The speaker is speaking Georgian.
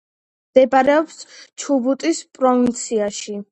მდებარეობს ჩუბუტის პროვინციაში.